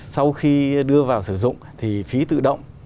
sau khi đưa vào sử dụng thì phí tự động